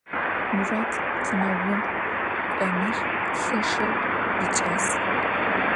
Murat kinoum k'onır lheşşeu yiç'as.